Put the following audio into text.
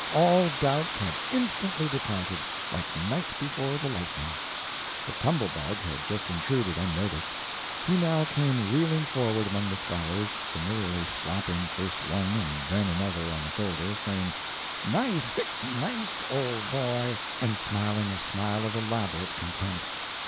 All doubts had instantly departed, like night before the lightning. The Tumble Bug had just intruded, unnoticed. He now came reeling forward among the scholars, familiarly slapping first one and then another on the shoulder, saying "Nice ['ic) nice old boy!" and smiling a smile of elaborate content.